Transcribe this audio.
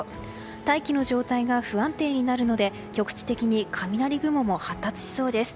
大気の状態が不安定になるので局地的に雷雲も発達しそうです。